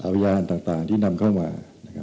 พยานต่างที่นำเข้ามา